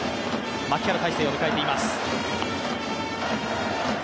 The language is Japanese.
牧原大成を迎えています。